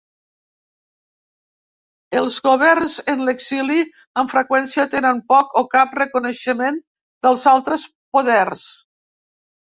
Els governs en l'exili amb freqüència tenen poc o cap reconeixement dels altres poders.